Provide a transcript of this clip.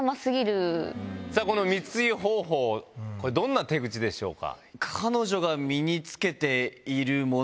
この密輸方法どんな手口でしょうか？